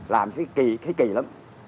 làm cái kỳ thấy kỳ lắm